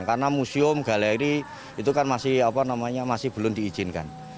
karena museum galeri itu kan masih belum diizinkan